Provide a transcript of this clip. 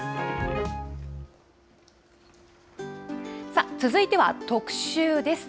さあ、続いては特集です。